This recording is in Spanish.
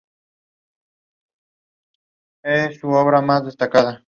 Geológicamente este cerro tiene un origen precámbrico.